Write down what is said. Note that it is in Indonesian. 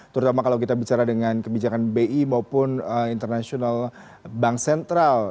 terutama kalau kita bicara dengan kebijakan bi maupun international bank sentral